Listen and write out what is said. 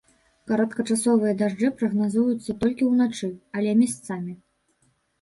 Кароткачасовыя дажджы прагназуюцца толькі ўначы, але месцамі.